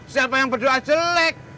siapa yang berdoa jelek